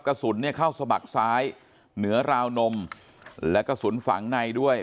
กระสุนเข้าสมัครซ้ายเหนือลาวนมและกระสุนฝั่งนายด้วย